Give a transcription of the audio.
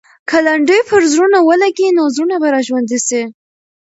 که لنډۍ پر زړونو ولګي، نو زړونه به راژوندي سي.